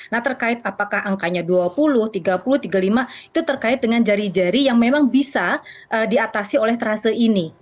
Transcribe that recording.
nah terkait apakah angkanya dua puluh tiga puluh tiga puluh lima itu terkait dengan jari jari yang memang bisa diatasi oleh terase ini